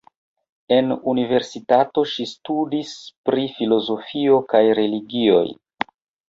En universitato ŝi studis pri filozofio kaj religioj.